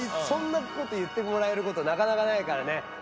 そんなこと言ってもらえることなかなかないからね。